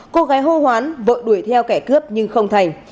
cô gái hô hoán vợ đuổi theo kẻ cướp nhưng không thành